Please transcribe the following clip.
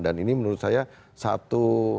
dan ini menurut saya satu